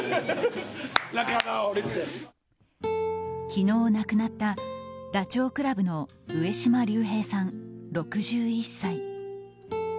昨日亡くなったダチョウ倶楽部の上島竜兵さん、６１歳。